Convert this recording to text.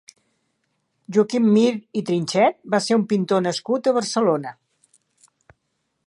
Joaquim Mir i Trinxet va ser un pintor nascut a Barcelona.